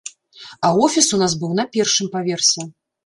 А офіс у нас быў на першым паверсе.